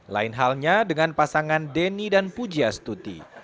lain halnya dengan pasangan denny dan puji astuti